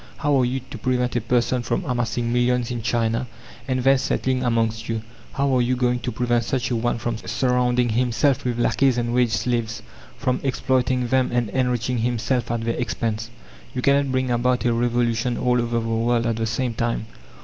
How are you to prevent a person from amassing millions in China, and then settling amongst you? How are you going to prevent such a one from surrounding himself with lackeys and wage slaves from exploiting them and enriching himself at their expense? "You cannot bring about a revolution all over the world at the same time.